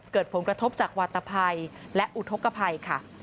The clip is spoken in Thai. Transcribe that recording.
เกิดผลกระทบจากวาตภัยและอุทธกภัยค่ะ